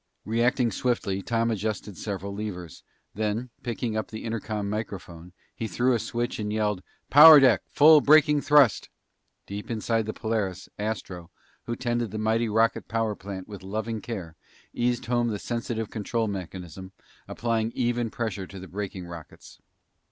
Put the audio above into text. Reacting swiftly, Tom adjusted several levers, then picking up the intercom microphone, he threw a switch and yelled, "Power deck! Full braking thrust!" Deep inside the Polaris, Astro, who tended the mighty rocket power plant with loving care, eased home the sensitive control mechanism, applying even pressure to the braking rockets.